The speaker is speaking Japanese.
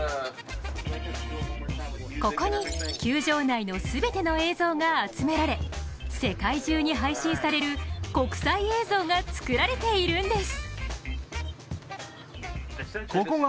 ここに球場内の全ての映像が集められ世界中に配信される国際映像が作られているんです。